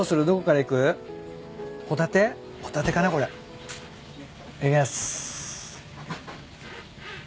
いただきます。